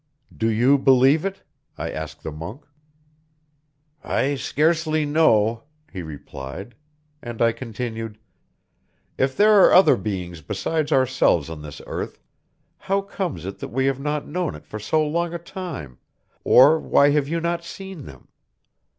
"Do you believe it?" I asked the monk. "I scarcely know," he replied, and I continued: "If there are other beings besides ourselves on this earth, how comes it that we have not known it for so long a time, or why have you not seen them?